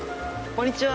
こんにちは。